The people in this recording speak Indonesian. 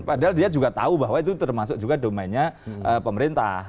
padahal dia juga tahu bahwa itu termasuk juga domainnya pemerintah